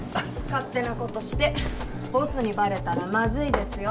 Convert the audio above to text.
勝手なことしてボスにバレたらまずいですよ